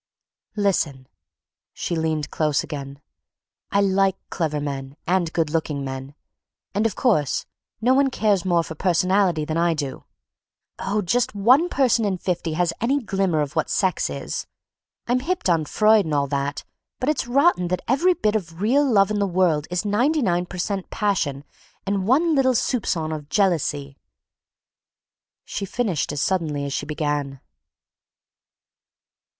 "Listen," she leaned close again, "I like clever men and good looking men, and, of course, no one cares more for personality than I do. Oh, just one person in fifty has any glimmer of what sex is. I'm hipped on Freud and all that, but it's rotten that every bit of real love in the world is ninety nine per cent passion and one little soupcon of jealousy." She finished as suddenly as she began.